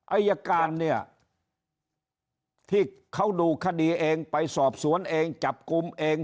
อายการเนี่ยที่เขาดูคดีเองไปสอบสวนเองจับกลุ่มเอง